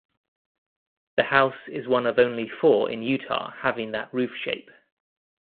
The house is one of only four in Utah having that roof shape.